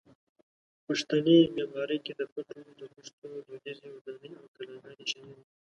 پښتني معمارۍ کې د خټو د خښتو دودیزې ودانۍ او کلاګانې شاملې دي.